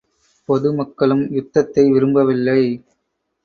பொது மக்களும் யுத்தத்தை விரும்பவில்லை.